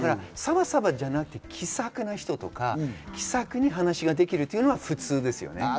サバサバじゃなくて気さくな人とか、気さくに話ができるというのは普通ですよね。